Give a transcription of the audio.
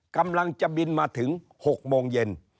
กำลังจะบินมาถึง๖โมงเย็น